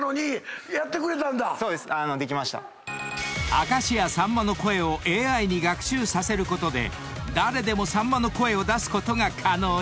［明石家さんまの声をＡＩに学習させることで誰でもさんまの声を出すことが可能に⁉］